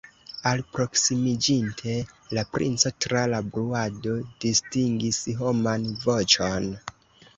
Alproksimiĝinte, la princo tra la bruado distingis homan voĉon.